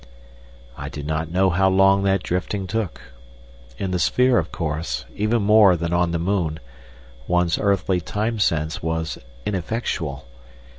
I do not know how long that drifting took. In the sphere of course, even more than on the moon, one's earthly time sense was ineffectual.